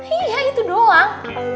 iya itu doang